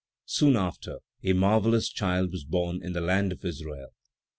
Soon after, a marvellous child was born in the land of Israel.